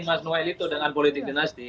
mas noel itu dengan politik dinasti